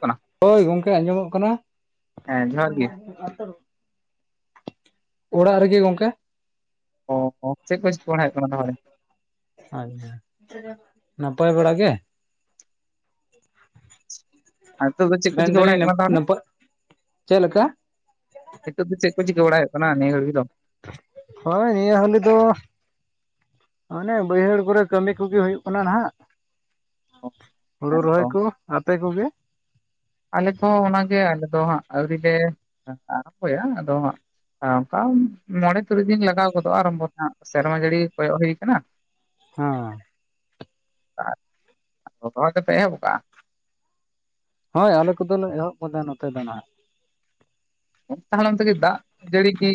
ᱠᱟᱱᱟ ᱦᱳᱭ ᱜᱚᱝᱠᱮ ᱟᱸᱡᱚᱢᱚᱜ ᱠᱟᱱᱟ᱾ ᱦᱮᱸ ᱡᱚᱦᱟᱨ ᱜᱮ ᱚᱲᱟᱜ ᱨᱮᱜᱮ ᱜᱚᱝᱠᱮ, ᱚ ᱦᱚᱸ ᱪᱮᱫ ᱠᱚ ᱪᱤᱠᱟᱹ ᱯᱟᱲᱦᱮᱫ ᱦᱩᱭᱩᱜ ᱠᱟᱱᱟ ᱛᱟᱦᱚᱞᱮ? ᱟᱪᱪᱷᱟ ᱱᱟᱯᱟᱭ ᱵᱟᱲᱟ ᱜᱮ? ᱟᱨ ᱱᱤᱛᱚᱜ ᱫᱚ ᱪᱮᱫ ᱠᱚ ᱢᱮᱱ ᱪᱤᱠᱟᱹ ᱵᱟᱲᱟᱭ ᱫᱟᱞᱤᱧ ᱦᱩᱭᱩᱜ ᱱᱟᱯ ᱠᱟᱱᱟ ᱛᱟᱦᱚᱞᱮ ᱱᱟᱯᱟ, ᱪᱮᱫᱮᱠᱟ? ᱱᱤᱛᱚᱜ ᱫᱚ ᱪᱮᱫ ᱠᱚ ᱪᱤᱠᱟᱹᱵᱟᱲᱟ ᱦᱩᱭᱩ ᱠᱟᱱᱟ? ᱱᱤᱭᱟ ᱠᱷᱟᱲᱡ ᱫᱚ᱾ ᱦᱳᱭ ᱱᱤᱭᱟᱹ ᱦᱟᱹᱞᱤ ᱫᱚ, ᱚᱱᱮ ᱵᱟᱹᱭᱦᱟᱹᱲ ᱠᱚᱨᱮ ᱠᱟᱹᱢᱤ ᱠᱚᱜᱮ ᱦᱩᱭᱩᱜ ᱠᱟᱱᱟ ᱦᱟᱜ᱾ ᱚ ᱦᱩᱲᱩ ᱨᱚᱦᱚᱭ ᱦᱮᱸᱛᱚ ᱠᱚ ᱟᱯᱮ ᱠᱚᱜᱮ? ᱟᱞᱮ ᱫᱚ ᱚᱱᱟᱜᱮ ᱟᱞᱮ ᱫᱚ ᱦᱟᱸᱜ ᱟᱹᱣᱨᱤ ᱟᱲᱜᱚᱭᱟ ᱟᱫᱚ ᱦᱟᱸᱜ᱾ ᱚᱱᱠᱟ ᱢᱚᱬᱮ ᱛᱩᱨᱩᱭ ᱫᱤᱱ ᱞᱟᱜᱟᱣ ᱜᱚᱫᱚᱜᱼᱟ ᱟᱨᱵᱚ ᱦᱟᱜ ᱥᱮᱨᱢᱟ ᱡᱟᱹᱲᱤ ᱠᱚᱭᱚᱜ ᱦᱩᱭ ᱟᱠᱟᱱᱟ᱾ ᱦᱮᱸᱻ ᱟ ᱨᱚᱦᱚᱭ ᱫᱚᱯᱮ ᱮᱦᱚᱵ ᱟᱠᱟᱼᱟ? ᱦᱳᱭ ᱟᱞᱮ ᱠᱚᱫᱚᱞᱮ ᱮᱦᱚᱵ ᱟᱠᱟᱫᱟ ᱱᱚᱛᱮ ᱫᱚ ᱱᱟᱦᱟᱜ᱾ ᱢᱮᱛᱟᱜ ᱦᱟᱲᱟᱢ ᱛᱮᱜᱮ ᱫᱟᱜ ᱡᱟᱹᱲᱤ ᱠᱤ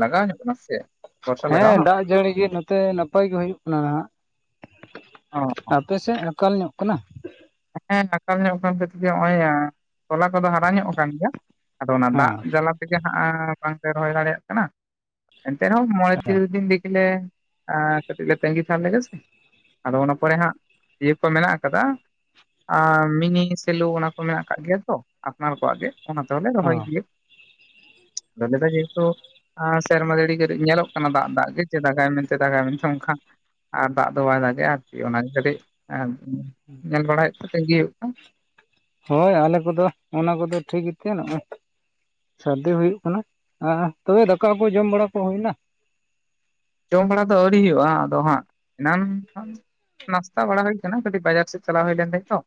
ᱞᱟᱜᱟᱣ ᱧᱚᱜ ᱠᱟᱱᱟ ᱥᱮ᱾ ᱵᱚᱨᱥᱟ ᱦᱮᱸ ᱞᱟᱜᱟᱣᱱᱟ ᱫᱟᱜ ᱡᱟᱹᱲᱤ ᱜᱮ ᱱᱚᱛᱮ ᱱᱟᱼᱼ ᱱᱟᱯᱟᱭ ᱜᱮ ᱦᱩᱭᱩᱜ ᱠᱟᱱᱟ ᱱᱟᱦᱟᱜ, ᱚ ᱟᱯᱮ ᱥᱮᱫ ᱟᱠᱟᱠᱟᱞ ᱧᱚᱜ ᱠᱟᱱᱟ? ᱦᱮᱸ ᱟᱠᱟᱞ ᱧᱚᱜ [unintelligible] ᱛᱚᱞᱟ ᱠᱚᱫᱚ ᱦᱟᱨᱟ ᱧᱚᱜ ᱠᱟᱱ ᱜᱮᱭᱟ ᱟᱫᱚ ᱚᱱᱟ ᱦᱮᱸ ᱫᱟᱜ ᱡᱟᱞᱟ᱾ ᱛᱮᱜᱮ ᱦᱟᱜ ᱵᱟᱝᱞᱮ ᱨᱚᱦᱚᱭ ᱫᱟᱲᱮᱭᱟᱜ ᱠᱟᱱᱟ᱾ᱮᱱᱛᱮ ᱨᱮᱦᱚᱸ ᱢᱚᱬᱮ ᱛᱤᱨᱤᱥ ᱫᱤᱱ ᱨᱮᱜᱮᱞᱮ᱾ ᱟ ᱠᱟᱹᱴᱤᱡ ᱞᱮ ᱛᱟᱸᱜᱤ ᱛᱷᱟᱨ ᱞᱮᱜᱮ ᱥᱮ ᱟᱫᱚ ᱚᱱᱟ ᱯᱚᱨᱮ ᱦᱟᱸᱜ ᱤᱭᱟᱹ ᱠᱚ ᱢᱮᱱᱟᱜ ᱟᱠᱟᱫᱟ᱾ ᱢᱤᱱᱤ ᱥᱮᱞᱩ ᱚᱱᱟ ᱠᱚ ᱢᱮᱱᱟᱜ ᱠᱟᱜ ᱜᱮᱭᱟ ᱛᱚ ᱟᱯᱱᱟᱨ ᱠᱚᱣᱟᱜ ᱜᱮ, ᱚᱱᱟ ᱛᱮᱦᱚᱸᱞᱮ ᱨᱚᱦᱚᱭ ᱦᱚᱸ ᱜᱮᱭᱟ᱾ ᱟᱫᱚ ᱞᱮ ᱡᱮᱦᱮᱛᱩ᱾ ᱥᱮᱨᱢᱟ ᱡᱟᱹᱲᱤ ᱧᱮᱞᱚᱜ ᱠᱟᱱᱟ ᱫᱟᱜ ᱫᱟᱜ ᱜᱮ, ᱡᱮ ᱫᱟᱜᱟᱭ ᱢᱮᱱᱛᱮ ᱫᱟᱜᱟᱭ ᱢᱮᱱᱛᱮ ᱚᱱᱠᱷᱟ᱾ ᱟᱨ ᱫᱟᱜ ᱫᱚ ᱵᱟᱭ ᱫᱟᱜᱮᱼᱟ ᱟᱨᱠᱤ ᱚᱱᱟᱜᱮ ᱠᱟᱹᱴᱤᱡ ᱮ᱾ ᱧᱮᱞ ᱵᱟᱲᱟᱭᱮᱫ [unintelligible] ᱦᱳᱭ ᱟᱞᱮ ᱠᱚᱫᱚ ᱚᱱᱟ ᱠᱚᱫᱚ ᱴᱷᱤᱠ ᱜᱮᱛᱮ ᱱᱚᱜ-ᱚᱭ᱾ ᱥᱟᱹᱨᱫᱤ ᱦᱩᱭᱩᱜ ᱠᱟᱱᱟ ᱛᱚᱵᱮ ᱮᱸ ᱫᱟᱠᱟᱠᱩ ᱡᱚᱢ ᱵᱟᱲᱟ ᱠᱚ ᱦᱩᱭᱼᱱᱟ᱾ ᱡᱚᱢ ᱵᱟᱲᱟ ᱫᱚ ᱟᱹᱣᱨᱤ ᱦᱩᱭᱩᱜ-ᱟ ᱟᱫᱚ ᱦᱟᱸᱜ ᱮᱱᱟᱱ ᱱᱟᱥᱛᱟ ᱵᱟᱲᱟ ᱦᱩᱭ ᱟᱠᱟᱱᱟ ᱠᱟᱹᱴᱤᱡ ᱵᱟᱡᱟᱨ ᱥᱮᱫ ᱪᱟᱞᱟᱣ ᱦᱩᱭ ᱞᱮᱱ ᱠᱷᱟᱡ ᱛᱚ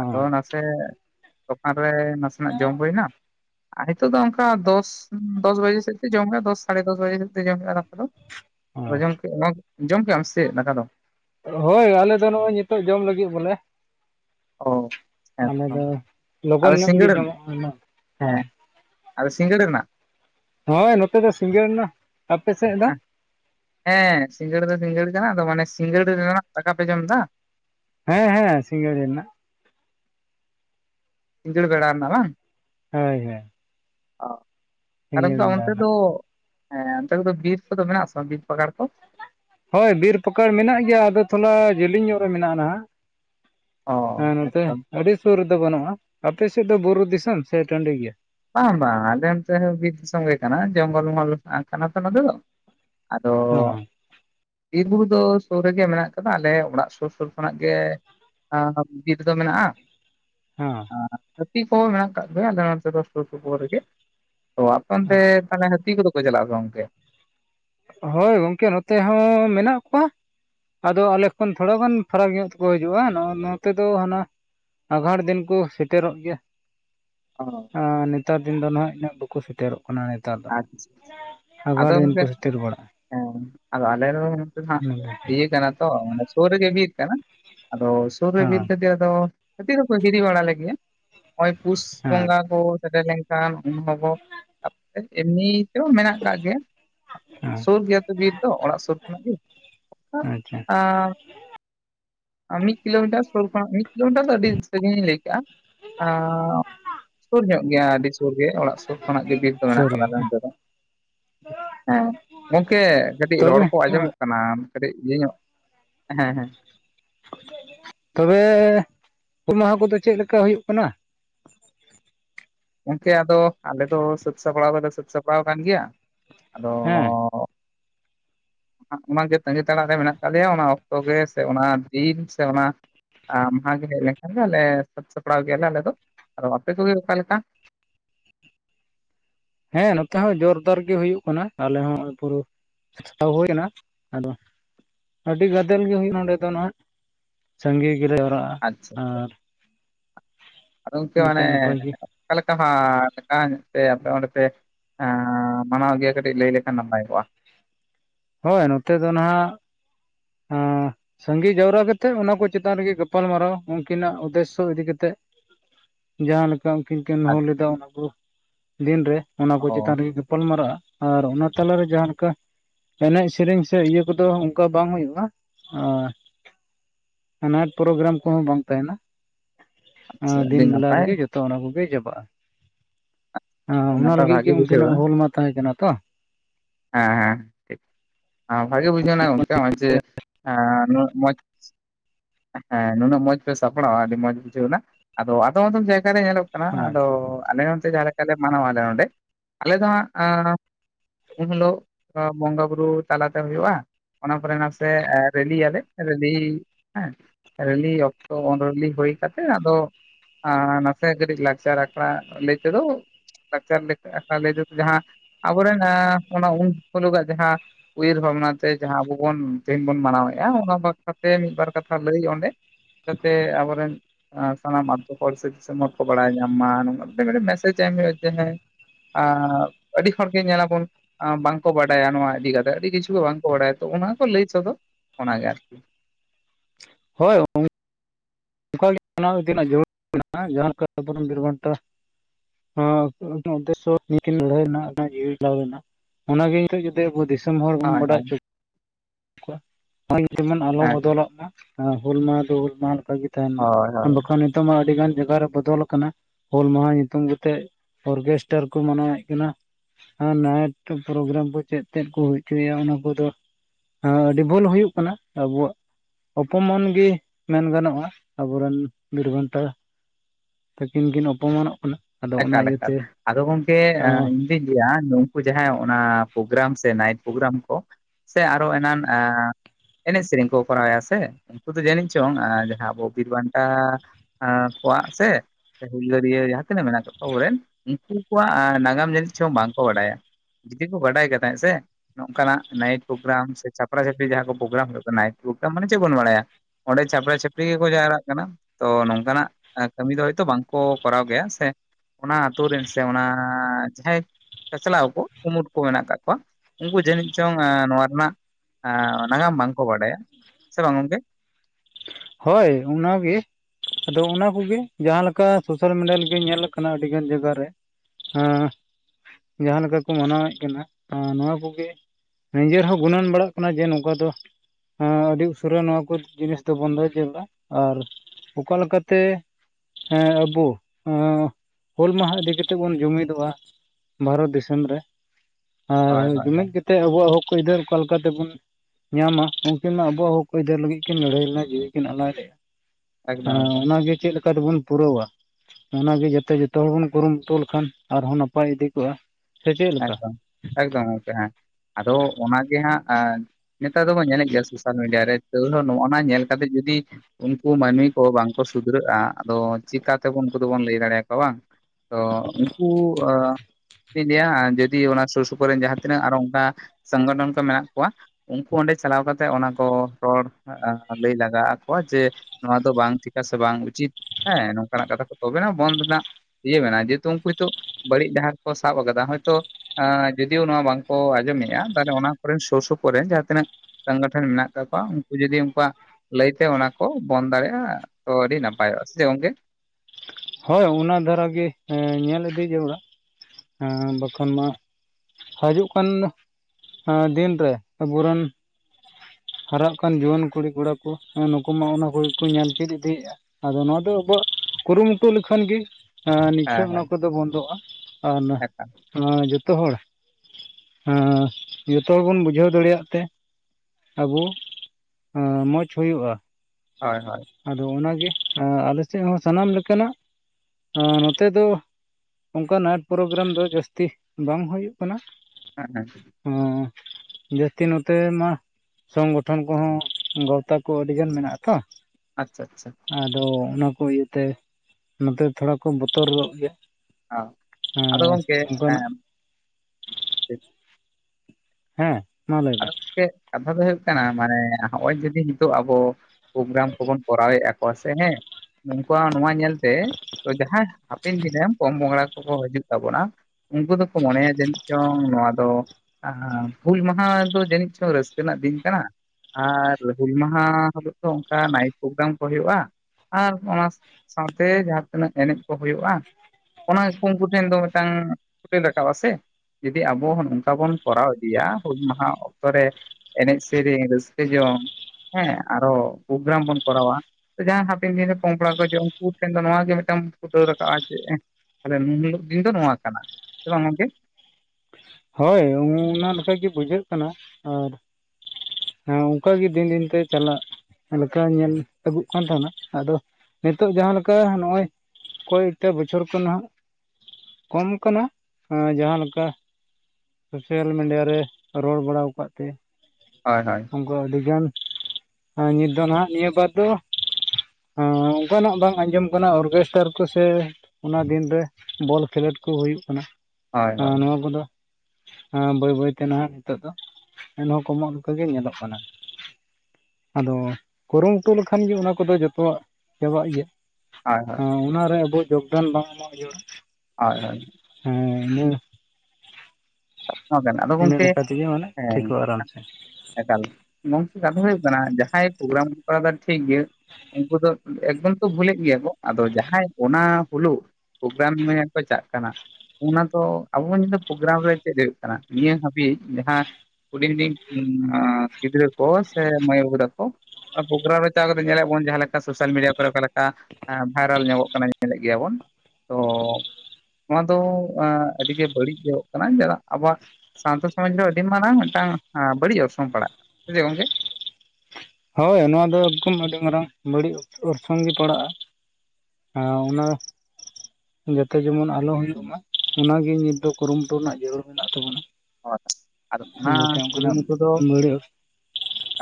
ᱟᱫᱚ ᱱᱟᱥᱮ ᱫᱚᱠᱟᱱ ᱨᱮ ᱱᱟᱥᱮᱱᱟᱜ ᱡᱚᱢ ᱦᱩᱭᱱᱟ᱾ ᱟᱨ ᱱᱤᱛᱚᱜ ᱫᱚ ᱚᱱᱠᱟ ᱫᱚᱥ ᱫᱚᱥ ᱵᱟᱡᱮ ᱥᱮᱫ ᱛᱮ ᱡᱚᱢ ᱦᱩᱭᱩᱜ-ᱟ ᱫᱚᱥ ᱥᱟᱲᱮ ᱫᱚᱥ ᱵᱟᱡᱮ ᱥᱮᱫ ᱛᱮ ᱡᱚᱢ ᱦᱩᱭᱩᱜ-ᱟ ᱫᱟᱠᱟ ᱫᱚ᱾ ᱦᱮᱸ ᱡᱚᱢ ᱠᱮᱜ [inaudible] ᱡᱚᱢ ᱠᱮᱜ ᱟᱢ ᱥᱮ ᱫᱟᱠᱟ ᱫᱚ ᱦᱳᱭ ᱟᱞᱮ ᱫᱚ ᱱᱚᱜ-ᱚᱭ ᱱᱤᱛᱳᱜ ᱡᱚᱢ ᱞᱟᱹᱜᱤᱫ ᱵᱚᱞᱮ᱾ ᱚ ᱟᱞᱮ ᱦᱮᱸᱛᱚ ᱫᱚ ᱞᱚᱜᱚᱱ ᱟᱫᱚ ᱧᱚᱜ ᱜᱮ ᱥᱤᱸᱜᱟᱹᱲ ᱧᱟᱢᱚᱜ-ᱟ ᱦᱮᱸ ᱟᱫᱚ ᱥᱤᱜᱟᱹᱲ ᱨᱮᱱᱟᱜ ᱦᱚᱭ ᱱᱚᱛᱮ ᱫᱚ ᱥᱤᱸᱜᱟᱹᱲ ᱨᱮᱱᱟᱜ ᱟᱯᱮ ᱥᱮᱫ᱾ ᱫᱚ ᱦᱮᱸ ᱥᱤᱸᱜᱟᱹᱲ ᱫᱚ ᱥᱤᱸᱜᱟᱹᱲ ᱠᱟᱱᱟ ᱟᱫᱚ ᱢᱟᱱᱮ ᱥᱤᱸᱜᱟᱹᱲ ᱨᱮᱱᱟᱜ ᱴᱟᱠᱟ ᱯᱮ ᱡᱚᱢ ᱫᱟ᱾ ᱦᱮᱸ ᱦᱮᱸ ᱥᱤᱸᱜᱟᱹᱲ ᱨᱮᱱᱟᱜ᱾ ᱥᱤᱜᱟᱹᱲ ᱵᱮᱲᱟ ᱨᱮᱱᱟᱜ ᱵᱟᱝ? ᱦᱳᱭ ᱦᱳᱭ᱾ ᱟ ᱠᱟᱨᱚᱱ ᱥᱤᱸᱜᱟᱹᱲ ᱫᱚ ᱵᱮᱲᱟ ᱚᱱᱛᱮ ᱨᱮᱱᱟᱜ ᱫᱚ ᱦᱮᱸ ᱚᱱᱛᱮ ᱠᱚᱫᱚ ᱵᱤᱨ ᱠᱚᱫᱚ ᱢᱮᱱᱟᱜ ᱮᱥᱮ ᱵᱟᱝ ᱵᱤᱨ ᱯᱟᱠᱟᱲ ᱠᱚ? ᱦᱳᱭ ᱵᱤᱨ ᱯᱟᱠᱟᱲ ᱢᱮᱱᱟᱜ ᱜᱮᱭᱟ ᱟᱫᱚ ᱛᱷᱚᱲᱟ ᱡᱮᱞᱮᱧ ᱧᱚᱜ ᱨᱮ ᱢᱮᱱᱟᱜᱼᱟ ᱱᱟᱦᱟᱜ᱾ ᱚ ᱮᱸ ᱱᱚᱛᱮ ᱦᱮᱸᱛᱚ ᱟᱹᱰᱤ ᱥᱩᱨ ᱨᱮᱫᱚ ᱵᱟᱹᱱᱩᱜᱼᱟ, ᱟᱯᱮᱥᱮᱫ ᱫᱚ ᱵᱩᱨᱩ ᱫᱤᱥᱚᱢ ᱥᱮ ᱴᱟᱺᱰᱤ ᱜᱮᱭᱟ? ᱵᱟᱝ ᱵᱟᱝ ᱟᱞᱮ ᱚᱱᱛᱮ ᱵᱤᱨ ᱫᱤᱥᱚᱢ ᱜᱮ ᱠᱟᱱᱟ ᱡᱚᱝᱜᱚᱞ ᱢᱚᱦᱚᱞ ᱠᱟᱱᱟ ᱛᱚ ᱚᱱᱟ ᱫᱚ᱾ ᱟᱫᱚ ᱦᱮᱸ ᱵᱤᱨᱵᱩᱨᱩ ᱫᱚ ᱥᱩᱨ ᱨᱮᱜᱮ ᱢᱮᱱᱟᱜ ᱠᱟᱫᱟ ᱟᱞᱮ ᱚᱲᱟᱜ ᱥᱩᱨ ᱥᱩᱨ ᱠᱷᱚᱱᱟᱜ ᱜᱮ ᱵᱤᱨ ᱫᱚ ᱢᱮᱱᱟᱜᱼᱟ᱾ ᱦᱚᱸ᱾ ᱦᱮᱸ ᱦᱟᱛᱤ ᱠᱚ ᱢᱮᱱᱟᱜ ᱠᱟᱫ ᱞᱮᱭᱟ ᱟᱞᱮ ᱱᱚᱛᱮ ᱫᱚ ᱥᱩᱨ ᱥᱩᱯᱩᱨ ᱨᱮᱜᱮ, ᱛᱚ ᱟᱯᱮ ᱚᱱᱛᱮ ᱦᱮᱸ ᱛᱟᱦᱞᱮ ᱦᱟᱹᱛᱤ ᱠᱚᱫᱚ ᱠᱚ ᱪᱟᱞᱟᱜᱼᱟ ᱜᱚᱝᱠᱮ ᱦᱳᱭ ᱜᱚᱝᱠᱮ ᱱᱚᱛᱮ ᱦᱚᱸ ᱢᱮᱱᱟᱜ ᱠᱚᱣᱟ᱾ ᱟᱫᱚ ᱟᱞᱮ ᱠᱷᱚᱱ ᱛᱷᱚᱲᱟ ᱜᱟᱱ ᱯᱷᱟᱨᱟᱠ ᱧᱚᱜ ᱛᱮᱠᱚ ᱦᱤᱡᱩᱜᱼᱟ ᱱᱚᱜᱼᱚ ᱱᱚᱛᱮ ᱫᱚ ᱦᱟᱱᱟ ᱟᱸᱜᱷᱟᱲ ᱫᱤᱱ ᱠᱚ ᱥᱮᱴᱮᱨᱚᱜ ᱜᱮᱭᱟ᱾ ᱚ ᱟ ᱱᱮᱛᱟᱨ ᱫᱤᱱ ᱫᱚ ᱱᱟᱦᱟᱜ ᱩᱱᱟᱹᱜ ᱵᱟᱠᱚ ᱥᱮᱴᱮᱨᱚᱜ ᱠᱟᱱᱟ᱾ ᱱᱮᱛᱟᱨ ᱫᱚ ᱟᱪᱪᱷᱟ ᱟᱫᱚ ᱟᱜᱟᱨ ᱫᱤᱱ ᱜᱚᱝᱠᱮ ᱠᱚᱨᱮ ᱾ ᱦᱮᱸ ᱟᱫᱚ ᱟᱞᱮ ᱫᱚ ᱱᱚᱛᱮᱫᱚ ᱦᱟᱜ ᱦᱮᱸ ᱤᱭᱟᱹ ᱠᱟᱱᱟ ᱛᱚ ᱥᱳᱨ ᱨᱮᱜᱮ ᱵᱤᱨ ᱠᱟᱱᱟ ᱟᱫᱚ ᱥᱩᱨ ᱨᱮ ᱵᱤᱨ ᱠᱷᱟᱛᱤᱨ ᱟᱫᱚ ᱠᱟᱹᱴᱤᱡ [unintelligible] ᱵᱟᱲᱟ ᱞᱮ ᱜᱮᱭᱟ ᱱᱚᱜᱼᱚᱭ ᱯᱩᱥ ᱦᱮᱸ ᱵᱚᱸᱜᱟ ᱠᱚ ᱥᱮᱴᱮᱨ ᱞᱮᱱᱠᱷᱟᱱ ᱩᱱᱦᱚ ᱠᱚ ᱮᱢᱱᱤ ᱛᱚ ᱢᱮᱱᱟᱜ ᱠᱟᱜ ᱜᱮ᱾ ᱥᱩᱨ ᱦᱮᱸ ᱜᱮᱭᱟᱛᱚ ᱵᱤᱨ ᱫᱚ ᱚᱲᱟᱜ ᱥᱩᱨ ᱠᱷᱚᱱᱟᱜ ᱜᱮ ᱟᱪᱪᱷᱟ ᱟᱨ ᱟ ᱢᱤᱫ ᱠᱤᱞᱳᱢᱤᱴᱟᱨ ᱥᱩᱨ ᱠᱷᱚᱱᱟᱜ ᱢᱤᱫ ᱠᱤᱞᱳᱢᱤᱴᱟᱨ ᱫᱚ ᱟᱹᱰᱤ ᱥᱟᱹᱜᱤᱧ ᱞᱟᱹᱭ ᱠᱟᱜᱼᱟ᱾ ᱟᱻ ᱥᱩᱨ ᱧᱚᱜ ᱜᱮᱭᱟ ᱟᱹᱰᱤ ᱥᱩᱨ ᱜᱮ ᱚᱲᱟᱜ ᱥᱩᱨ ᱠᱷᱚᱱᱟᱜ ᱜᱮ᱾ ᱢᱮᱱᱟᱜ ᱥᱟᱹᱨᱤ ᱠᱟᱫᱟ ᱟᱞᱮ ᱱᱚᱛᱮ ᱫᱚ, ᱦᱮᱸ ᱜᱚᱢᱠᱮ ᱠᱟᱹᱴᱤᱡ ᱛᱚᱵᱮ ᱨᱚᱲ ᱠᱚ ᱟᱸᱡᱚᱢᱚᱜ ᱠᱟᱱᱟ ᱠᱟᱹᱴᱤᱡ ᱤᱭᱟᱹ ᱧᱚᱜ ᱦᱮᱸ ᱦᱮᱸ᱾ ᱛᱚᱵᱮ ᱩᱢ ᱢᱟᱦᱟ ᱠᱚᱫᱚ ᱪᱮᱫᱞᱮᱠᱟ ᱦᱩᱭᱩᱜ ᱠᱟᱱᱟ? ᱜᱚᱝᱠᱮ ᱟᱫᱚ ᱟᱞᱮ ᱫᱚ ᱥᱟᱹᱛ ᱥᱟᱯᱲᱟᱣ ᱫᱚᱞᱮ ᱥᱟᱹᱛ ᱥᱟᱯᱲᱟᱣ ᱠᱟᱱ ᱜᱮᱭᱟ ᱟᱫᱚ ᱦᱮᱸ ᱚ ᱚᱱᱟᱜᱮ ᱛᱟᱹᱜᱤ ᱛᱟᱲᱟᱜ ᱨᱮ ᱢᱮᱱᱟᱜ ᱠᱟᱜ ᱞᱮᱭᱟ ᱚᱱᱟ ᱚᱠᱛᱚ ᱜᱮ ᱥᱮ ᱚᱱᱟ ᱫᱤᱱ ᱥᱮ ᱚᱱᱟ ᱟᱢ ᱦᱟᱜ ᱜᱮ ᱪᱮᱫ ᱞᱮᱠᱟ ᱟᱞᱮ ᱥᱟᱹᱛ ᱥᱟᱯᱲᱟᱣ ᱜᱮᱭᱟ ᱞᱮ ᱟᱞᱮ ᱫᱚ ᱟᱫᱚ ᱟᱯᱮ ᱠᱚᱜᱮ ᱚᱠᱟ ᱞᱮᱠᱟ? ᱦᱮᱸ ᱱᱚᱛᱮ ᱦᱚᱸ ᱡᱳᱨᱫᱟᱨ ᱜᱮ ᱦᱩᱭᱩᱜ ᱠᱟᱱᱟ ᱟᱞᱮ ᱦᱚᱸ ᱯᱩᱨᱟᱹᱣ ᱣ ᱦᱳᱭᱮᱱᱟ ᱟᱫᱚ ᱟᱹᱰᱤ ᱜᱟᱫᱮᱞ ᱜᱮ ᱦᱩᱭᱩᱜ ᱱᱚᱸᱰᱮ ᱫᱚ ᱱᱟᱦᱟᱜ ᱥᱟᱜᱮ ᱜᱮᱞᱮ ᱚᱨᱟᱜ᱾ ᱟᱪᱪᱷᱟ ᱟᱫᱚ ᱜᱚᱝᱠᱮ ᱢᱚᱪᱟ ᱚᱱᱮ ᱱᱟᱯᱟᱭ ᱜᱮ ᱚᱠᱟ ᱞᱮᱠᱟ ᱦᱟᱸᱜ ᱢᱤᱫᱴᱟᱝ ᱥᱮ ᱟᱯᱮ ᱚᱱᱛᱮ ᱢᱟᱱᱟᱣ ᱜᱮᱭᱟᱹ ᱠᱟᱹᱴᱤᱡ ᱞᱟᱹᱭ ᱞᱮᱠᱷᱟᱱ ᱱᱟᱯᱟᱭ ᱠᱚᱜᱼᱟ? ᱦᱳᱭ ᱱᱚᱛᱮ ᱫᱚ ᱱᱚᱦᱟᱜ ᱥᱟᱸᱜᱮ ᱡᱟᱣᱨᱟ ᱠᱟᱛᱮᱫ ᱚᱱᱟ ᱠᱚ ᱪᱮᱛᱟᱱ ᱨᱮ ᱜᱮ ᱜᱟᱯᱟᱞ ᱢᱟᱨᱟᱣ ᱤᱱᱠᱟᱹᱱᱟᱜ ᱩᱫᱽᱫᱮᱥᱚ ᱤᱫᱤ ᱠᱟᱛᱮᱫ᱾ [inaudible] ᱡᱟᱦᱟᱸ ᱞᱮᱠᱟ ᱩᱱᱠᱤᱱ ᱠᱤᱱ ᱦᱚᱸ ᱟᱨ ᱦᱚᱸ ᱞᱮᱫᱟ ᱚᱱᱟ ᱠᱳ ᱫᱤᱱ ᱨᱮ ᱚᱱᱟ ᱠᱚ ᱚ ᱪᱮᱛᱟᱱ ᱨᱮᱜᱮ᱾ ᱜᱟᱯᱟᱞ ᱢᱟᱨᱟᱜᱼᱟ ᱟᱨ ᱚᱱᱟ ᱛᱟᱞᱟ ᱨᱮ ᱡᱟᱦᱟᱸ ᱞᱮᱠᱟ ᱮᱱᱮᱡ ᱥᱮᱨᱮᱧ ᱥᱮ ᱤᱭᱟᱹ ᱠᱚ ᱫᱚ ᱚᱱᱠᱟ ᱵᱟᱝ ᱦᱩᱭᱩᱜᱼᱟ᱾ ᱟᱨ ᱟᱱᱟᱴ ᱯᱨᱳᱜᱨᱟᱢ ᱠᱚ ᱦᱚᱸ ᱵᱟᱝ ᱛᱟᱦᱮᱸᱱᱟ᱾ ᱟᱹᱰᱤ ᱫᱤᱱ ᱵᱮᱞᱟ ᱨᱮ ᱱᱟᱯᱟᱭ ᱜᱮ ᱡᱷᱚᱛᱚ ᱚᱱᱟ ᱠᱚ ᱜᱮ ᱪᱟᱵᱟᱜᱼᱟ᱾ ᱦᱮ ᱟᱹᱰᱤ ᱚᱱᱟ ᱱᱟᱯᱟᱭ ᱞᱟᱹᱜᱤᱫ ᱵᱷᱟᱜᱮ ᱜᱮ ᱩᱱᱠᱤ ᱵᱩᱡᱷᱟᱹᱣ ᱱᱟᱜ ᱮᱱᱟ ᱦᱩᱞ ᱢᱟᱦᱟ ᱛᱟᱦᱮᱸ ᱠᱟᱱᱟ ᱛᱚ᱾ ᱦᱮᱸ ᱦᱮᱸ ᱴᱷᱤᱠ ᱵᱷᱟᱜᱤ ᱵᱩᱡᱷᱟᱹᱣ ᱱᱟ ᱜᱚᱝᱠᱮ ᱱᱚᱭ ᱡᱮ [unintelligible] ᱦᱮᱸ ᱱᱩᱱᱟᱹᱜ ᱢᱚᱸᱡᱽ ᱯᱮ ᱥᱟᱯᱲᱣᱟ ᱟᱹᱰᱤ ᱢᱚᱸᱡᱽ ᱵᱩᱡᱷᱟᱹᱣ ᱮᱱᱟ ᱟᱫᱚ ᱟᱫᱚᱢ ᱟᱫᱚᱢ ᱡᱟᱭᱜᱟ ᱨᱮ ᱧᱮᱞᱚᱜ ᱠᱟᱱᱟ ᱦᱳᱭ ᱟᱫᱚ ᱟᱞᱮ ᱚᱱᱛᱮ ᱡᱟᱦᱟᱸ ᱞᱮᱠᱟ ᱢᱟᱱᱟᱣ ᱫᱟ ᱚᱸᱰᱮ ᱟᱞᱮ ᱫᱚ ᱦᱟᱸᱜ ᱩᱱ ᱦᱤᱞᱳᱜ ᱵᱚᱸᱜᱟ ᱵᱩᱨᱩ ᱛᱟᱞᱟ ᱛᱮ ᱦᱳᱭᱳᱜᱼᱟ᱾ ᱚᱱᱟ ᱯᱚᱨᱮ ᱱᱟᱥᱮ ᱨᱮᱞᱤᱭᱟᱞᱮ ᱨᱮᱞᱤ ᱦᱮᱸ ᱨᱮᱞᱤ ᱚᱠᱛᱚ ᱚᱸᱰᱮ ᱨᱮᱞᱤ ᱦᱩᱭ ᱠᱟᱛᱮ ᱟᱫᱚ ᱟᱨ ᱱᱟᱥᱮ ᱠᱟᱹᱴᱤᱡ ᱞᱟᱠᱪᱟᱨ ᱟᱠᱲᱟ ᱞᱟᱹᱭ ᱛᱮ ᱫᱚ, ᱞᱟᱠᱪᱟᱨ ᱞᱮᱠᱟ ᱞᱟᱹᱭ ᱛᱮ ᱫᱚ ᱡᱟᱦᱟᱸ ᱟᱵᱚ ᱨᱮᱱ ᱚᱱᱟ ᱩᱱ ᱦᱩᱞᱳᱜ ᱟᱜ ᱡᱟᱦᱟᱸ ᱩᱭᱦᱟᱹᱨ ᱵᱷᱟᱵᱽᱱᱟ ᱛᱮ ᱡᱟᱦᱟᱸ ᱟᱵᱚ ᱵᱚᱱ ᱛᱮᱦᱤᱧ ᱵᱚᱱ ᱢᱟᱱᱟᱣᱮᱜᱼᱟ ᱚᱱᱟ ᱵᱟᱠᱷᱨᱟ ᱛᱮ ᱢᱤᱫ ᱵᱟᱨ ᱠᱟᱛᱷᱟ ᱞᱟᱹᱭ ᱚᱸᱰᱮ ᱡᱟᱛᱮ ᱟᱵᱚ ᱨᱮᱱ ᱥᱟᱱᱟᱢ ᱟᱹᱛᱩ ᱦᱚᱲ ᱥᱮ ᱫᱤᱥᱚᱢ ᱠᱚ ᱵᱟᱲᱟᱭ ᱧᱟᱢ ᱢᱟ [unintelligible] ᱢᱮᱥᱮᱡ ᱟᱭ ᱮᱢ ᱡᱮ ᱦᱮᱸ ᱟᱨ ᱟᱹᱰᱤ ᱦᱚᱲ ᱜᱮ ᱧᱮᱞ ᱟᱵᱚᱱ ᱵᱟᱝ ᱠᱚ ᱵᱟᱰᱟᱭᱟ ᱱᱚᱣᱟ ᱤᱫᱤ ᱠᱟᱛᱮᱜ ᱟᱹᱰᱤ ᱠᱤᱪᱷᱩ ᱜᱮ ᱵᱟᱝ ᱠᱚ ᱵᱟᱰᱟᱭᱟ ᱛᱚ ᱚᱱᱟ ᱠᱚ ᱞᱟᱹᱭ ᱥᱚᱫᱚᱨ ᱚᱱᱟᱜᱮ ᱟᱨᱠᱤ᱾ ᱦᱳᱭ [unintelligible] ᱡᱟᱹᱨᱩᱲ ᱢᱮᱱᱟᱜᱼᱟ ᱡᱟᱦᱟᱸ ᱞᱮᱠᱟ ᱟᱵᱚ ᱨᱤᱱ ᱵᱤᱨ ᱵᱟᱱᱴᱟ, ᱦᱮᱸ ᱩᱱᱠᱤ ᱱᱟᱜ ᱩᱫᱮᱥᱥᱚ ᱠᱤᱱ ᱞᱟᱹᱭ ᱢᱟ ᱡᱤᱣᱤ ᱪᱟᱞᱟᱣ [unintelligible] ᱚᱱᱟᱜᱮ [unintelligible] ᱡᱩᱫᱤ ᱟᱵᱚ ᱫᱤᱥᱚᱢ ᱦᱚᱲ ᱵᱚᱱ ᱦᱳᱭ ᱵᱟᱰᱟᱭ ᱦᱳᱭ ᱦᱚᱪᱚ ᱠᱚᱣᱟ ᱱᱚᱜᱼᱚᱭ ᱡᱮᱢᱚᱱ ᱟᱞᱚ ᱦᱮᱸ ᱵᱚᱫᱚ ᱞᱚᱜ ᱢᱟ᱾ ᱦᱮᱸ ᱦᱩᱞ ᱢᱟᱦᱟ ᱫᱚ ᱦᱩᱞ ᱢᱟᱦᱟ ᱞᱮᱠᱟ ᱜᱮ ᱛᱟᱦᱮᱱ ᱢᱟ᱾ ᱦᱳᱭ ᱦᱳᱭ ᱵᱟᱠᱷᱟᱱ ᱱᱤᱛᱚᱜ ᱢᱟ ᱟᱹᱰᱤ ᱜᱟᱱ ᱡᱟᱭᱜᱟ ᱨᱮ ᱵᱚᱫᱚᱞ ᱟᱠᱟᱱᱟ ᱦᱩᱞ ᱢᱟᱦᱟ ᱧᱩᱛᱩᱢ ᱠᱟᱛᱮᱫ ᱚᱨᱜᱮᱥᱴᱟᱨ ᱠᱚ ᱢᱟᱱᱟᱣ ᱮᱫ ᱠᱟᱱᱟ᱾ ᱟᱨ ᱱᱟᱭᱤᱴ ᱯᱨᱳᱜᱨᱟᱢ ᱠᱚ ᱪᱮᱫ ᱛᱮᱫ ᱠᱚ ᱦᱩᱭ ᱦᱚᱪᱚ ᱭᱟ ᱚᱱᱟ ᱠᱚᱫᱚ ᱟᱹᱰᱤ ᱵᱷᱩᱞ ᱦᱩᱭᱩᱜ ᱠᱟᱱᱟ ᱟᱵᱚ ᱣᱟᱜ ᱚᱯᱚ ᱢᱟᱱ ᱜᱮ ᱢᱮᱱ ᱜᱟᱱᱚᱜᱼᱟ᱾ ᱟᱵᱚ ᱨᱮᱱ ᱵᱤᱨᱵᱷᱟᱱᱴᱟ ᱛᱟᱹᱠᱤᱱ ᱠᱤᱱ ᱚᱯᱚᱢᱟᱱᱚᱜ ᱠᱟᱱᱟ᱾ ᱟᱫᱚ ᱚᱱᱟ ᱮᱠᱟᱞ ᱮᱠᱟᱞ ᱤᱭᱟᱹᱛᱮ ᱟᱫᱚ ᱜᱚᱝᱠᱮ ᱴᱷᱤᱠ ᱜᱮᱭᱟ ᱱᱩᱠᱩ ᱡᱟᱦᱟᱸᱭ ᱚᱱᱟ ᱯᱨᱳᱜᱨᱟᱢ ᱥᱮ ᱱᱟᱭᱤᱴ ᱯᱨᱳᱜᱨᱟᱢ ᱠᱚ ᱥᱮ ᱟᱨᱚ ᱮᱱᱟᱱ [unintelligible] ᱮᱱᱮᱡ ᱥᱮᱨᱮᱧ ᱠᱚ ᱠᱚᱨᱟᱣ ᱮᱜ ᱟ ᱥᱮ ᱩᱱᱠᱩ ᱫᱚ ᱡᱟᱹᱱᱤ ᱪᱚᱝ ᱡᱟᱦᱟᱸ ᱟᱵᱚ ᱵᱤᱨ ᱵᱟᱱᱴᱟ ᱠᱚᱣᱟᱜ ᱥᱮ ᱦᱩᱞ ᱜᱤᱹᱨᱭᱟᱹ [unintelligible] ᱛᱤᱱᱟᱹᱜ ᱢᱮᱱᱟᱜ ᱠᱟᱜ ᱠᱚᱣᱟ ᱟᱵᱚ ᱨᱮᱱ ᱩᱱᱠᱩ ᱠᱚᱣᱟᱜ ᱱᱟᱜᱟᱢ ᱡᱟᱱᱤᱡ ᱪᱚᱝ ᱵᱟᱝᱠᱚ ᱵᱟᱰᱟᱭᱟ᱾ ᱡᱩᱫᱤ ᱠᱚ ᱵᱟᱰᱟᱭ ᱠᱟ ᱛᱟᱦᱮᱸᱫ ᱥᱮ, ᱱᱚᱝᱠᱟ ᱱᱟᱜ ᱱᱟᱭᱤᱴ ᱯᱨᱳᱜᱨᱟᱢ ᱥᱮ ᱪᱷᱟᱯᱨᱟ ᱪᱟᱹᱯᱟᱹᱨᱤ ᱡᱟᱦᱟᱸ ᱠᱚ ᱯᱨᱳᱜᱨᱟᱢ ᱦᱩᱭᱩᱜ ᱠᱟᱱᱟ ᱱᱟᱭᱤᱴ ᱯᱨᱳᱜᱨᱟᱢ ᱢᱟᱱᱮ ᱪᱮᱫ ᱵᱚᱱ ᱵᱟᱲᱟᱭᱟ, ᱚᱸᱰᱮ ᱪᱷᱟᱯᱨᱟ ᱪᱷᱟᱯᱨᱤ ᱜᱮᱠᱚ ᱡᱟᱣᱨᱟᱜ ᱠᱟᱱᱟ ᱛᱚ ᱱᱚᱝ ᱠᱟᱱᱟᱜ ᱠᱟᱹᱢᱤ ᱫᱚ ᱦᱳᱭ ᱛᱚ ᱵᱟᱝ ᱠᱚ ᱠᱚᱨᱟᱣ ᱜᱮᱭᱟ᱾ ᱚᱱᱟ ᱟᱹᱛᱳ ᱨᱮᱱ ᱥᱮ ᱚᱱᱟ ᱡᱟᱦᱟᱸᱭ ᱪᱟᱪᱞᱟᱣ ᱠᱚ ᱠᱩᱢᱩᱴ ᱠᱚ ᱢᱮᱱᱟᱜ ᱟᱠᱟᱫ ᱠᱚᱣᱟ ᱩᱱᱠᱩ ᱡᱟᱹᱱᱤᱡ ᱪᱚᱝ ᱱᱚᱣᱟ ᱨᱮᱱᱟᱜ ᱱᱟᱜᱟᱢ ᱵᱟᱝ ᱠᱚ ᱵᱟᱰᱟᱭᱟ, ᱥᱮ ᱵᱟᱝ ᱜᱚᱝᱠᱮ? ᱦᱳᱭ ᱚᱱᱟ ᱜᱮ᱾ ᱟᱫᱚ ᱚᱱᱟ ᱠᱚ ᱜᱮ ᱡᱟᱦᱟᱸ ᱞᱮᱠᱟ ᱥᱳᱥᱟᱞ ᱢᱤᱰᱤᱭᱟ ᱨᱮ ᱜᱮ ᱧᱮᱞ ᱟᱠᱟᱱᱟ ᱟᱹᱰᱤ ᱜᱟᱱ ᱡᱟᱭᱜᱟ ᱨᱮᱜᱮ ᱡᱟᱦᱟᱸ ᱞᱮᱠᱟ ᱠᱚ ᱢᱟᱱᱟᱣ ᱮᱜ ᱠᱟᱱᱟ ᱱᱚᱣᱟ ᱠᱚ ᱜᱮ ᱱᱤᱡᱮᱨ ᱦᱚᱸ ᱜᱩᱱᱟᱹᱱ ᱵᱟᱲᱟᱜ ᱠᱟᱱᱟ ᱡᱮ ᱱᱚᱝᱠᱟ ᱫᱚ ᱟᱹᱰᱤ ᱩᱥᱟᱹᱨᱟ ᱱᱚᱣᱟ ᱠᱚ ᱡᱤᱱᱤᱥ ᱫᱚ ᱵᱚᱱ ᱫᱚ [unintelligible] ᱟᱨ ᱚᱠᱟ ᱞᱮᱠᱟᱛᱮ, ᱦᱮᱸ ᱟᱵᱩ ᱦᱩᱞ ᱢᱟᱦᱟ ᱤᱫᱤ ᱠᱟᱛᱮᱜ ᱵᱚᱱ ᱡᱩᱢᱤᱫᱚᱜᱼᱟ᱾ ᱵᱷᱟᱨᱚᱛ ᱫᱤᱥᱚᱢ ᱨᱮ ᱟᱨ ᱦᱳᱭ ᱦᱳᱭ ᱡᱩᱢᱤᱫ ᱦᱳᱭ ᱠᱟᱛᱮᱫ ᱟᱵᱚᱣᱟᱜ ᱦᱚᱠ ᱟᱹᱭᱫᱟᱹᱨᱤ ᱚᱠᱟ ᱚᱠᱟ ᱞᱮᱠᱟ ᱛᱮᱵᱚᱱ ᱧᱟᱢᱟ ᱩᱱᱠᱤᱱ ᱢᱟ ᱟᱵᱚᱣᱟᱜ ᱦᱚᱸᱠ ᱟᱹᱭᱫᱟᱹᱨᱤ ᱞᱟᱹᱜᱤᱫ ᱠᱤᱱ ᱞᱟᱹᱲᱦᱟᱹᱭ ᱞᱮᱱᱟ ᱡᱤᱣᱤ ᱠᱤᱱ ᱟᱞᱟᱭ ᱞᱮᱫᱼᱟ ᱮᱠᱫᱚᱢ ᱦᱮᱸ ᱮᱠᱫᱚᱢ ᱚᱱᱟ ᱜᱮ ᱪᱮᱫ ᱞᱮᱠᱟ ᱨᱮᱵᱚᱱ ᱯᱩᱨᱟᱹᱣᱟ ᱚᱱᱟ ᱜᱮ ᱡᱟᱛᱮ ᱡᱚᱛᱚ ᱦᱚᱲ ᱵᱚᱱ ᱠᱩᱨᱩᱢᱩᱴᱩ ᱞᱮᱠᱷᱟᱱ ᱟᱨ ᱦᱚᱸ ᱱᱟᱯᱟᱭ ᱤᱫᱤ ᱠᱚᱜᱼᱟ ᱥᱮ ᱪᱮᱫ ᱞᱮᱠᱟ ᱮᱠᱫᱚᱢ ᱮᱠᱫᱚᱢ ᱜᱚᱢᱠᱮ ᱦᱮᱸ ᱟᱫᱚ ᱚᱱᱟ ᱜᱮ ᱦᱟᱸᱜ ᱟᱨ ᱱᱮᱛᱟᱨ ᱫᱚᱵᱚᱱ ᱧᱮᱞᱮᱫ ᱜᱮᱭᱟ ᱥᱳᱥᱟᱞ ᱢᱤᱰᱤᱭᱟ ᱨᱮ ᱛᱟᱹᱣ ᱱᱚᱜᱼᱚ ᱱᱟ ᱧᱮᱞ ᱠᱟᱛᱮ ᱡᱩᱫᱤ ᱩᱱᱠᱩ ᱢᱟᱹᱱᱢᱤ ᱠᱚ ᱵᱟᱝᱠᱚ ᱥᱩᱫᱷᱨᱟᱹᱜᱼᱟ ᱟᱫᱚ ᱪᱤᱠᱟᱛᱮ ᱩᱱᱠᱩ ᱫᱚᱵᱚᱱ ᱞᱟᱹᱭ ᱫᱟᱲᱮᱭ ᱟᱠᱚᱣᱟ ᱵᱟᱝ ᱛᱚ ᱩᱱᱠᱩ [unintelligible] ᱭᱟ ᱟᱨ ᱡᱩᱫᱤ ᱚᱱᱟ ᱥᱩᱨ ᱥᱩᱯᱩᱨ ᱨᱮᱱ ᱡᱟᱦᱟᱸ ᱛᱤᱱᱟᱹᱜ ᱟᱨᱚ ᱚᱱᱠᱟ ᱥᱚᱝᱜᱚᱴᱷᱚᱱ ᱠᱚ ᱢᱮᱱᱟᱜ ᱠᱚᱣᱟ ᱩᱱᱠᱩ ᱚᱸᱰᱮ ᱪᱟᱞᱟᱣ ᱠᱟᱛᱮᱜ ᱚᱱᱟ ᱠᱚ ᱨᱚᱲ ᱞᱟᱹᱭ ᱞᱟᱜᱟ ᱟᱠᱚᱣᱟ ᱡᱮ, ᱱᱚᱣᱟ ᱫᱚ ᱵᱟᱝ ᱴᱷᱤᱠᱟ ᱥᱮ ᱵᱟᱝ ᱩᱪᱤᱛ ᱦᱮᱸ ᱱᱚᱝᱠᱟᱱᱟᱜ ᱠᱟᱛᱷᱟ ᱠᱚ ᱛᱚᱵᱮᱱᱟᱜ ᱵᱚᱱᱫᱷ ᱨᱮᱱᱟᱜ ᱤᱭᱟᱹ ᱢᱮ ᱡᱮᱦᱮᱛᱩ ᱩᱱᱠᱩ ᱦᱤᱛᱳᱜ ᱵᱟᱹᱲᱤᱡ ᱰᱟᱦᱟᱨ ᱠᱚ ᱥᱟᱵ ᱟᱠᱟᱫᱟ ᱦᱚᱭᱛᱚ ᱟᱸ ᱡᱩᱫᱤᱭᱚ ᱱᱚᱣᱟ ᱵᱟᱝᱠᱚ ᱟᱸᱡᱚᱢᱮᱜᱼᱟ ᱛᱟᱦᱞᱮ ᱚᱱᱟ ᱠᱚᱨᱮᱱ ᱥᱩᱨ ᱥᱩᱯᱩᱨᱮ ᱡᱟᱦᱟᱸ ᱛᱤᱱᱟᱹᱜ ᱥᱚᱝᱜᱚᱴᱷᱚᱱ ᱢᱮᱱᱟᱜ ᱛᱟᱠᱚᱣᱟ ᱩᱱᱠᱩ ᱡᱩᱫᱤ ᱩᱱᱠᱩᱣᱟᱜ ᱞᱟᱹᱭ ᱛᱮ ᱚᱱᱟ ᱠᱚ ᱵᱚᱱ ᱫᱟᱲᱮᱭᱟᱜᱼᱟ ᱛᱚ ᱟᱹᱰᱤ ᱱᱟᱯᱟᱭᱚᱜᱼᱟ ᱥᱮ ᱜᱚᱝᱠᱮ ᱦᱳᱭ ᱚᱱᱟ ᱫᱷᱟᱨᱟᱜ ᱜᱮ ᱧᱮᱞ ᱤᱫᱤ ᱡᱮ ᱚᱲᱟᱜ ᱵᱟᱠᱷᱟᱱ ᱢᱟ ᱦᱤᱡᱩᱜ ᱠᱟᱱ ᱫᱤᱱ ᱨᱮ ᱟᱵᱩ ᱨᱮᱱ ᱦᱟᱨᱟᱜ ᱠᱟᱱ ᱡᱩᱣᱟᱹᱱ ᱠᱩᱲᱤ ᱠᱚᱲᱟ ᱠᱩ ᱮᱸ ᱱᱩᱠᱩ ᱢᱟ ᱚᱱᱟ ᱠᱚ ᱜᱮ ᱠᱚ ᱧᱮᱞ ᱪᱮᱫ ᱤᱫᱤᱭᱮᱫᱼᱟ ᱟᱫᱚ ᱱᱚᱣᱟ ᱫᱚ ᱟᱵᱚᱣᱟᱜ ᱠᱩᱨᱩᱢᱩᱴᱩ ᱴᱩ ᱞᱮᱠᱷᱟᱱ ᱜᱮ ᱱᱤᱪᱦᱟᱹ ᱦᱮᱸ ᱚᱱᱟ ᱦᱮᱸ ᱠᱚᱫᱚ ᱵᱚᱱᱫᱚᱜᱼᱟ ᱟᱨ ᱦᱮᱸ ᱮᱠᱟᱞ ᱡᱚᱛᱚ ᱦᱚᱲ ᱦᱮᱸ ᱡᱚᱛᱚ ᱦᱚᱲ ᱵᱚᱱ ᱵᱩᱡᱷᱟᱹᱣ ᱫᱟᱲᱮᱭᱟᱜ ᱛᱮᱼᱼ ᱟᱵᱩ ᱢᱚᱸᱡᱽ ᱦᱩᱭᱩᱜᱼᱟ ᱦᱳᱭ ᱦᱳᱭ ᱟᱫᱚ ᱚᱱᱟ ᱜᱮ ᱟᱞᱮ ᱥᱮᱫ ᱦᱚᱸ ᱥᱟᱱᱟᱢ ᱞᱮᱠᱟᱱᱟᱜ ᱟ ᱱᱚᱛᱮ ᱫᱚ ᱚᱱᱠᱟ ᱱᱟᱭᱤᱴ ᱯᱨᱳᱜᱨᱟᱢ ᱫᱚ ᱡᱟᱹᱥᱛᱤ ᱵᱟᱝ ᱦᱩᱭᱩᱜ ᱠᱟᱱᱟ ᱦᱮᱸ ᱦᱮᱸ ᱡᱟᱹᱥᱛᱤ ᱱᱚᱛᱮᱭ ᱢᱟ ᱥᱚᱝᱜᱚᱴᱷᱚᱱ ᱠᱚᱦᱚᱸ ᱜᱟᱶᱛᱟ ᱠᱚ ᱟᱹᱰᱤ ᱜᱟᱱ ᱢᱮᱱᱟᱜᱼᱟ ᱛᱚ ᱟᱪᱪᱷᱟ ᱟᱪᱪᱷᱟ ᱟᱫᱚ ᱚᱱᱟ ᱠᱚ ᱤᱭᱟᱹ ᱛᱮᱼᱼ ᱱᱚᱛᱮ ᱛᱷᱚᱲᱟ ᱠᱚ ᱵᱚᱛᱚᱨᱚᱜ ᱜᱮᱭᱟ ᱦᱚᱸ ᱟᱫᱚ ᱮᱸ ᱜᱚᱝᱠᱮ ᱚᱱᱠᱟᱱᱟᱜ ᱦᱮᱸ ᱢᱟ ᱞᱟᱹᱭ ᱢᱮ ᱮᱜ ᱠᱟᱛᱷᱟ ᱫᱚ ᱦᱩᱭᱩᱜ ᱠᱟᱱᱟ ᱢᱟᱱᱮ ᱦᱚᱜᱼᱚᱭ ᱡᱩᱫᱤ ᱱᱤᱛᱚᱜ ᱟᱵᱚ ᱯᱨᱳᱜᱨᱟᱢ ᱠᱚᱵᱚᱱ ᱠᱚᱨᱟᱣ ᱮ ᱟᱥᱮ ᱦᱮᱸ ᱱᱚᱝᱠᱟ ᱱᱚᱣᱟ ᱧᱮᱞᱛᱮ ᱡᱟᱦᱟᱸᱭ ᱦᱟᱯᱮᱱ ᱫᱤᱱ ᱨᱮᱱ ᱯᱚᱝ ᱵᱚᱝᱲᱟ ᱠᱚᱠᱚ ᱦᱤᱡᱩᱜ ᱛᱟᱵᱚᱱᱟ ᱩᱱᱠᱩ ᱫᱚ ᱠᱚ ᱢᱚᱱᱮᱭᱟ ᱡᱟᱹᱱᱤᱡ ᱪᱚᱝ ᱱᱚᱣᱟ ᱫᱚ ᱦᱩᱞ ᱢᱟᱦᱟ ᱫᱚ ᱡᱟᱹᱱᱤᱡ ᱪᱚᱝ ᱨᱟᱹᱥᱠᱟᱹ ᱨᱮᱱᱟᱜ ᱫᱤᱱ ᱠᱟᱱᱟ ᱟᱨ ᱦᱩᱞ ᱢᱟᱦᱟ ᱦᱤᱞᱳᱜ ᱫᱚ ᱚᱱᱠᱟ ᱱᱟᱭᱤᱴ ᱯᱨᱳᱜᱨᱟᱢ ᱠᱚ ᱦᱩᱭᱩᱜᱼᱟ ᱟᱨ ᱚᱱᱟ ᱥᱟᱶ ᱛᱮ ᱡᱟᱦᱟᱸ ᱛᱤᱱᱟᱹᱜ ᱮᱱᱮᱡ ᱠᱚ ᱦᱩᱭᱩᱜᱼᱟ ᱚᱱᱟ ᱩᱱᱠᱩ ᱩᱱᱠᱩ ᱴᱷᱮᱱ ᱫᱚ ᱢᱤᱫᱴᱟᱝ ᱯᱷᱩᱴᱮᱞ ᱨᱟᱠᱟᱵᱟ ᱥᱮ ᱡᱩᱫᱤ ᱟᱵᱚ ᱦᱚᱸ ᱱᱚᱝᱠᱟ ᱵᱚᱱ ᱠᱚᱨᱟᱣ ᱤᱫᱤᱭᱟ ᱦᱩᱞ ᱢᱟᱦᱟ ᱚᱠᱛᱚ ᱨᱮ ᱮᱱᱮᱡ ᱥᱮᱨᱮᱧ ᱨᱟᱹᱥᱠᱟᱹ ᱡᱚᱝ ᱦᱮᱸ ᱟᱨᱚ ᱯᱨᱳᱜᱨᱟᱢ ᱵᱚᱱ ᱠᱚᱨᱟᱣᱟ ᱡᱟᱦᱟᱸᱭ ᱦᱟᱯᱮᱱ ᱫᱤᱱ ᱨᱮ ᱯᱚᱝ ᱯᱚᱸᱜᱲᱟ ᱠᱚ ᱡᱚᱢ ᱩᱱᱠᱩ ᱴᱷᱮᱱ ᱫᱚ ᱱᱚᱣᱟ ᱜᱮ ᱢᱤᱫᱴᱟᱝ ᱯᱷᱩᱴᱟᱹᱣ ᱨᱟᱠᱟᱵᱼᱟ ᱡᱮ ᱛᱟᱞᱦᱮ ᱩᱱ ᱦᱤᱞᱳᱜ ᱫᱤᱱ ᱫᱚ ᱱᱚᱣᱟ ᱠᱟᱱᱟ ᱪᱮ ᱵᱟᱝ ᱜᱚᱝᱠᱮ ᱦᱳᱭ ᱚᱱᱟ ᱞᱮᱠᱟ ᱜᱮ ᱵᱩᱡᱷᱟᱹᱜ ᱠᱟᱱᱟ ᱟᱨ ᱦᱮᱸ ᱚᱱᱠᱟᱜᱮ ᱫᱤᱱ ᱫᱤᱱ ᱛᱮ ᱪᱟᱞᱟᱜᱼᱼ ᱞᱮᱠᱟ ᱧᱮᱞ ᱟᱹᱵᱩᱜ ᱠᱟᱱ ᱛᱟᱦᱮᱱᱟ ᱟᱫᱚ ᱱᱤᱛᱚᱜ ᱡᱟᱦᱟᱸ ᱞᱮᱠᱟ ᱱᱚᱜᱼᱚᱭ ᱠᱚᱭᱴᱟ ᱵᱚᱪᱷᱚᱨ ᱠᱷᱚᱱᱟᱜ ᱠᱚᱢ ᱟᱠᱟᱱᱟ ᱮ ᱡᱟᱦᱟᱸ ᱞᱮᱠᱟ ᱥᱳᱥᱟᱞ ᱢᱤᱰᱤᱭᱟ ᱨᱮ ᱨᱚᱲ ᱵᱟᱲᱟ ᱟᱠᱟᱫ ᱛᱮ ᱦᱳᱭ ᱦᱳᱭ। ᱩᱱᱠᱩ ᱟᱹᱰᱤ ᱜᱟᱱ ᱮ ᱱᱤᱛ ᱫᱚ ᱱᱟᱦᱟᱜ ᱱᱤᱭᱟᱹ ᱵᱟᱨ ᱫᱚ ᱮᱸ ᱚᱱᱠᱟᱱᱟᱜ ᱵᱟᱝ ᱟᱸᱡᱚᱢ ᱠᱟᱱᱟ ᱚᱨᱜᱮᱥᱴᱟᱨ ᱠᱚᱥᱮ ᱚᱱᱟ ᱫᱤᱱ ᱨᱮ ᱵᱚᱞ ᱠᱷᱮᱞᱳᱰ ᱠᱚ ᱦᱩᱭᱩᱜ ᱠᱟᱱᱟ ᱦᱳᱭ ᱦᱳᱭ ᱱᱚᱣᱟ ᱠᱚᱫᱚ ᱟ ᱵᱟᱹᱭ ᱵᱟᱹᱭ ᱛᱮ ᱱᱟᱦᱟᱜ ᱱᱤᱛᱚᱜ ᱫᱚ ᱱᱚᱣᱟ ᱠᱚᱢᱚᱜ ᱞᱮᱠᱟ ᱜᱮ ᱧᱮᱞᱚᱜ ᱠᱟᱱᱟ। ᱟᱫᱚ ᱠᱩᱨᱩᱢᱩᱴᱩ ᱞᱮᱠᱷᱟᱱ ᱜᱮ ᱚᱱᱟ ᱠᱚᱫᱚ ᱡᱚᱛᱚᱣᱟᱜ ᱪᱟᱵᱟᱜ ᱜᱮᱭᱟ। ᱦᱳᱭ ᱦᱳᱭ ᱮᱸ ᱚᱱᱟ ᱨᱮ ᱟᱵᱚ ᱡᱳᱜᱽ ᱫᱟᱱ ᱵᱟᱝ ᱮᱢᱚᱜ ᱦᱩᱭᱩᱜ ᱟᱡ ᱟᱡ ᱦᱮᱸ ᱦᱮᱸ ᱠᱟᱛᱷᱟ ᱦᱚᱸ ᱠᱟᱱᱟ ᱟᱫᱚ ᱤᱱᱟᱹ ᱜᱚᱢᱠᱮ ᱞᱮᱠᱟ ᱛᱮᱜᱮ ᱢᱟᱱᱮ ᱦᱮᱸ ᱴᱷᱤᱠᱚᱜᱼᱟ ᱟᱨᱟᱢ ᱥᱮ ᱮᱠᱟᱞ। ᱱᱚᱝᱠᱟ ᱫᱚ ᱦᱩᱭᱩᱜ ᱠᱟᱱᱟ ᱡᱟᱦᱟᱸᱭ ᱯᱨᱳᱜᱨᱟᱢ ᱠᱚ ᱠᱚᱨᱟᱣ ᱫᱟ ᱴᱷᱤᱠ ᱜᱮ ᱩᱱᱠᱩ ᱫᱚ ᱮᱠᱫᱚᱢ ᱛᱚ ᱵᱷᱩᱞᱮᱫ ᱜᱮᱭᱟ ᱠᱚ ᱟᱫᱚ ᱡᱟᱦᱟᱸᱭ ᱚᱱᱟ ᱦᱳᱞᱳᱜ ᱯᱨᱳᱜᱨᱟᱢ ᱧᱮᱧᱮ ᱠᱚ ᱪᱟᱜ ᱠᱟᱱᱟ ᱚᱱᱟ ᱫᱚ ᱟᱵᱚ ᱵᱚᱱ ᱧᱮᱞ ᱫᱚ ᱯᱨᱳᱜᱨᱟᱢ ᱨᱮ ᱪᱮᱫ ᱦᱩᱭᱩᱜ ᱠᱟᱱᱟ ᱱᱤᱭᱟᱹ ᱦᱟᱹᱵᱤᱡ ᱡᱟᱦᱟᱸ ᱦᱩᱰᱤᱧ ᱦᱩᱰᱤᱧ ᱩᱸ ᱟ ᱜᱤᱫᱽᱨ ᱠᱚ ᱥᱮ ᱢᱟᱹᱭ ᱵᱟᱵᱩ ᱛᱟᱠᱚ ᱯᱨᱳᱜᱨᱟᱢ ᱨᱮ ᱪᱟᱣ ᱠᱟᱛᱮ ᱧᱮᱞᱮᱫ ᱵᱚᱱ ᱡᱟᱦᱟᱸ ᱞᱮᱠᱟ ᱥᱳᱥᱟᱞ ᱢᱤᱰᱤᱭᱟ ᱠᱚᱨᱮ ᱚᱠᱟ ᱞᱮᱠᱟ ᱮᱸ ᱵᱷᱟᱭᱨᱟᱞ ᱧᱚᱜᱚᱜ ᱠᱟᱱᱟ ᱧᱮᱞᱮᱫ ᱜᱮᱭᱟ ᱵᱚᱱ ᱛᱚᱻ ᱱᱚᱣᱟ ᱫᱚ ᱮᱸ ᱟᱹᱰᱤ ᱜᱮ ᱵᱟᱹᱲᱤᱡᱚᱜ ᱠᱟᱱᱟ ᱪᱮᱫᱟᱜ ᱟᱵᱚᱣᱟᱜ ᱥᱟᱶᱛᱟ ᱥᱚᱢᱟᱡᱽ ᱫᱚ ᱟᱹᱰᱤ ᱢᱟᱨᱟᱝ ᱢᱤᱫᱴᱟᱝ ᱟᱸ ᱵᱟᱹᱲᱤᱡ ᱚᱨᱥᱚᱝ ᱯᱟᱲᱟᱜ ᱥᱮ ᱪᱮᱫ ᱜᱚᱝᱠᱮ? ᱦᱳᱭ ᱱᱚᱣᱟ ᱫᱚ ᱮᱠᱫᱚᱢ ᱟᱹᱰᱤ ᱢᱟᱨᱟᱝ ᱵᱟᱹᱲᱤᱡ ᱚᱨᱥᱚᱝ ᱜᱮ ᱯᱟᱲᱟᱜᱼᱟ। ᱦᱮᱸ ᱚᱱᱟ ᱡᱟᱛᱮ ᱡᱮᱢᱚᱱ ᱟᱞᱚ ᱦᱩᱭᱩᱜ ᱢᱟ ᱚᱱᱟᱜᱮ ᱱᱤᱛ ᱫᱚ ᱠᱩᱨᱩᱢᱩᱴᱩ ᱨᱮᱱᱟᱜ ᱡᱟᱹᱨᱩᱲ ᱢᱮᱱᱟᱜ ᱛᱟᱵᱚᱱᱟ। ᱚ ᱟᱫᱚ ᱚᱱᱟ ᱡᱟᱛᱮ ᱚᱱᱠᱟᱱᱟᱜ ᱠᱩᱨᱩᱢᱩᱴᱩ ᱫᱚ ᱵᱟᱹᱲᱤᱡ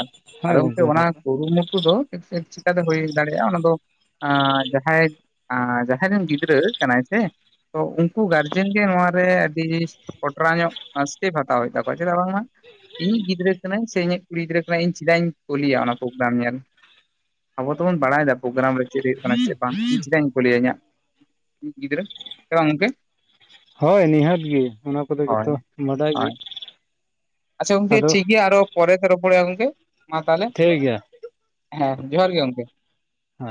ᱟᱫ ᱦᱳᱭ ᱟᱫᱚ ᱜᱚᱝᱠᱮ ᱜᱚᱢᱠᱮ ᱚᱱᱟ ᱨᱚᱲ ᱵᱮᱱ ᱠᱩᱨᱩᱢᱩᱴᱩ ᱫᱚ [unintelligible] ᱪᱤᱠᱟᱛᱮ ᱦᱩᱭ ᱫᱟᱲᱮᱭᱟᱜᱼᱟ ᱚᱱᱟ ᱫᱚ ᱟᱻ ᱡᱟᱦᱟᱸᱭ ᱟᱻ ᱡᱟᱦᱟᱸᱭ ᱨᱮᱱ ᱜᱤᱫᱽᱨᱟᱹ ᱠᱟᱱᱟᱭ ᱥᱮ ᱛᱚ ᱩᱱᱠᱩ ᱜᱟᱨᱡᱮᱱ ᱜᱮ ᱱᱚᱣᱟ ᱨᱮ ᱟᱹᱰᱤ ᱠᱚᱴᱨᱟ ᱧᱚᱜ ᱟᱥᱠᱮᱯ ᱦᱟᱛᱟᱣ ᱦᱩᱭᱩᱜ ᱛᱟᱠᱚᱣᱟ ᱪᱮᱫᱟᱜ ᱵᱟᱝ ᱢᱟ ᱤᱧᱤᱡ ᱜᱤᱫᱽᱨᱟᱹ ᱠᱟᱱᱟᱭ ᱥᱮ ᱤᱧᱤᱢ ᱠᱩᱲᱤ ᱜᱤᱫᱽᱨᱟᱹ ᱠᱟᱱᱟᱭ ᱤᱧ ᱪᱮᱫᱟᱜ ᱤᱧ ᱠᱳᱞᱤᱭᱟ ᱚᱱᱟ ᱯᱨᱳᱜᱨᱟᱢ ᱧᱮᱞ ᱟᱵᱚ ᱛᱚᱵᱚᱱ ᱵᱟᱲᱟᱭ ᱫᱟ ᱯᱨᱳᱜᱨᱟᱢ ᱨᱮ ᱪᱮᱫ ᱦᱩᱭᱩᱜ ᱠᱟᱱᱟ ᱪᱮᱫ ᱵᱟᱝ ᱤᱧ ᱪᱮᱫᱟᱜ ᱤᱧ ᱠᱳᱞᱮᱭᱟ ᱤᱧᱟᱜ ᱜᱤᱫᱽᱨᱟᱹ ᱦᱮᱸ ᱵᱟᱝ ᱜᱚᱝᱠᱮ? ᱦᱳᱭ ᱱᱤᱦᱟᱹᱛ ᱜᱮ ᱚᱱᱟ ᱠᱚᱫᱚ ᱦᱳᱭ ᱡᱷᱚᱛᱚ ᱵᱟᱰᱟᱭ ᱜᱮ ᱦᱳᱭ ᱟᱪᱪᱷᱟ ᱜᱚᱝᱠᱮ ᱟᱫᱚ ᱴᱷᱤᱠ ᱜᱮᱭᱟ ᱟᱨᱚ ᱯᱚᱨᱮ ᱛᱮ ᱨᱚᱯᱚᱲ ᱦᱩᱭᱩᱜ ᱜᱚᱝᱠᱮ ᱢᱟ ᱛᱟᱞᱦᱮ ᱴᱷᱤᱠ ᱜᱮᱭᱟ ᱦᱮᱸ ᱡᱚᱦᱟᱨ ᱜᱮ ᱜᱚᱝᱠᱮ।